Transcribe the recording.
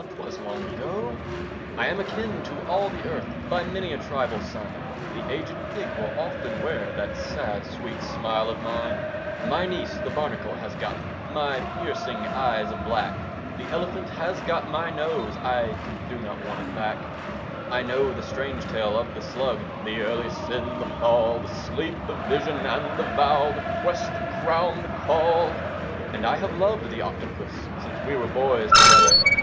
'twas long ago. I am akin to all the Earth By many a tribal sign: The aged Pig will often wear That sad, sweet smile of mine. My niece, the Barnacle, has got My piercing eyes of black; The Elephant has got my nose, I do not want it back. I know the strange tale of the Slug; The Early Sin the Fall The Sleep the Vision and the Vow The Quest the Crown the Call. And I have loved the Octopus, Since we were boys together.